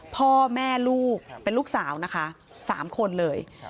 พ่อแม่ลูกเป็นลูกสาวนะคะ๓คนเลย